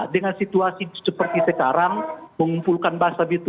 dengan situasi seperti sekarang mengumpulkan bahasa itu